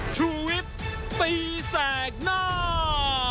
ชูเวทตีแสดหน้า